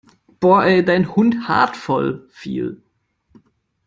Boah ey, dein Hund haart voll viel!